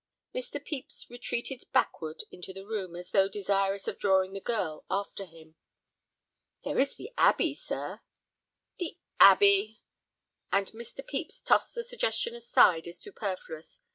Mr. Pepys retreated backward into the room as though desirous of drawing the girl after him. "There is the Abbey, sir." "The Abbey!" And Mr. Pepys tossed the suggestion aside as superfluous.